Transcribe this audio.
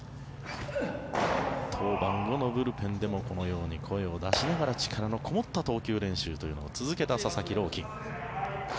登板後のブルペンでもこのように声を出しながら力のこもった投球練習を続けた佐々木朗希。